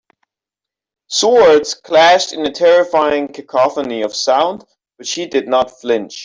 Swords clashed in a terrifying cacophony of sound but she did not flinch.